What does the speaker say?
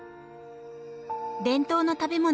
伝統の食べ物